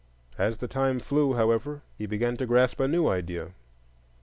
As the time flew, however, he began to grasp a new idea.